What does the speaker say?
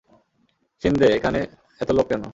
শিন্দে, এখানে এত লোক কেন?